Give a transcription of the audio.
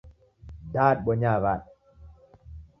Da dibonyaa wada?